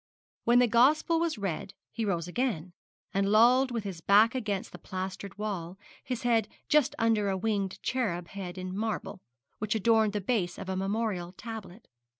When the gospel was read he rose again, and lolled with his back against the plastered wall, his head just under a winged cherub head in marble, which adorned the base of a memorial tablet.